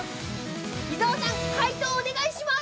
◆伊沢さん、解答をお願いします。